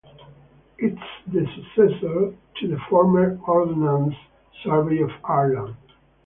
It is the successor to the former Ordnance Survey of Ireland.